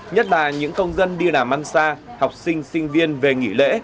nhất là những công dân đi làm ăn xa học sinh sinh viên về nghỉ lễ